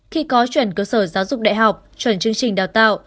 khi có chuẩn cơ sở giáo dục đại học chuẩn chương trình đào tạo